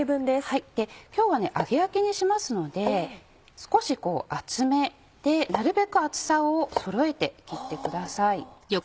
今日は揚げ焼きにしますので少しこう厚めでなるべく厚さをそろえて切ってください。